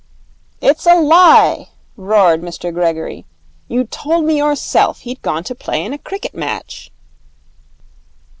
'It's a lie,' roared Mr Gregory. 'You told me yourself he'd gone to play in a cricket match.'